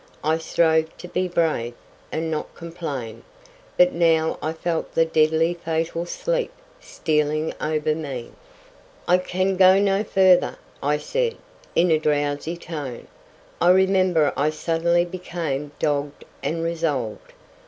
I strove to be brave, and not complain; but now I felt the deadly fatal sleep stealing over me. "I can go no farther," I said, in a drowsy tone. I remember I suddenly became dogged and resolved.